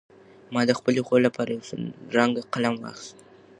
ما د خپلې خور لپاره یو سور رنګه قلم واخیست.